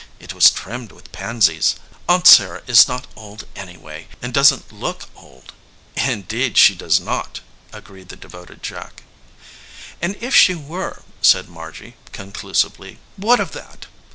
It was trimmed with pansies. Aunt Sarah is not old, anyway, and doesn t look old." "Indeed she does not !" agreed the devoted Jack. "And if she were," said Margy, conclusively, "what of that?